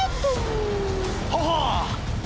ははあ！